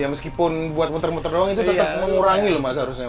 ya meskipun buat muter muter doang itu tetep mengurangi loh mas harusnya mas